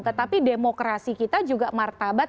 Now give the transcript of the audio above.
tetapi demokrasi kita juga martabat